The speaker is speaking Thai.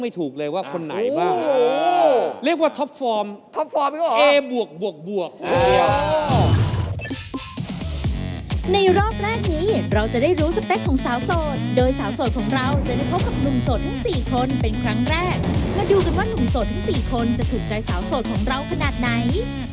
มาดูกันว่าหนุ่มโสดทั้ง๔คนจะถึงใจสาวโสดของเราขนาดไหน